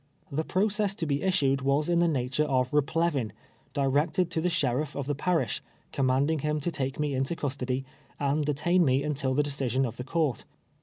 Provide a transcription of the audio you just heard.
The process to be issued was in the nature of replevin, di rected to tlie sheritf of the parisli, commanding him to take me into custody, and detain me until the de cision of the court.